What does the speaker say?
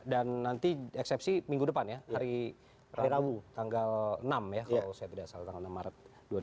nanti eksepsi minggu depan ya hari rabu tanggal enam ya kalau saya tidak salah tanggal enam maret dua ribu dua puluh